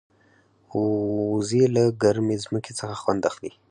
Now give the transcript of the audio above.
وزې له ګرمې ځمکې څخه خوند اخلي